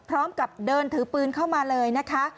พร้อมกับเดินถือปืนเข้ามาเลยนะคะ